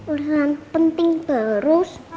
urusan penting terus